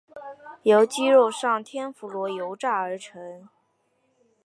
由鸡肉上天妇罗油炸而成。